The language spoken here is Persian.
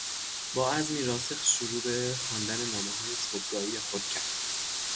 با عزمی راسخ شروع به خواندن نامههای صبحگاهی خود کرد.